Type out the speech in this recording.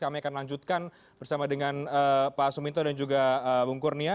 kami akan lanjutkan bersama dengan pak suminto dan juga bung kurnia